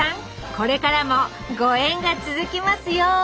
これからもご縁が続きますように！